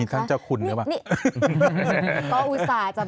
ก็อุตส่าห์จะไม่โยง